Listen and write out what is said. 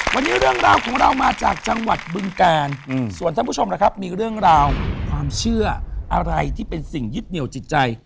วันนี้เรื่องราวของเรามาจากจังหวัดบึงกาลส่วนท่านผู้ชมล่ะครับมีเรื่องราวความเชื่ออะไรที่เป็นสิ่งยึดเหนียวจิตใจ